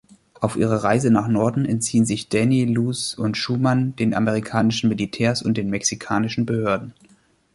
Auf ihrer Reise nach Norden entziehen sich Danny, Luz und Schumann den amerikanischen Militärs und den mexikanischen Behörden.